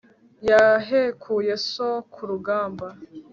yahekuye so ku rugamba